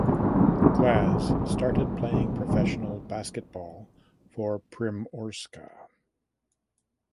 Glas started playing professional basketball for Primorska.